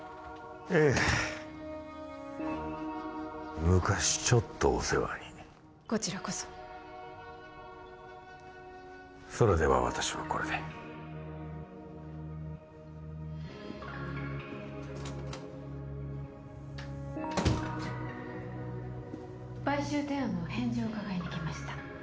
ええ昔ちょっとお世話にこちらこそそれでは私はこれで買収提案のお返事を伺いに来ました